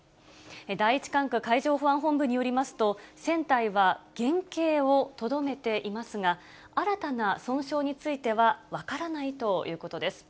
第１管区海上保安本部によりますと、船体は原形をとどめていますが、新たな損傷については分からないということです。